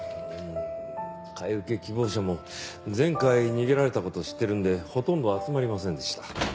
買い受け希望者も前回逃げられた事を知ってるんでほとんど集まりませんでした。